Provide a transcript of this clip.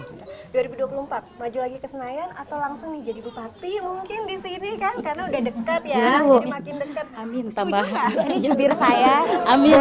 dua ribu dua puluh empat maju lagi ke senayan atau langsung jadi bupati mungkin di sini kan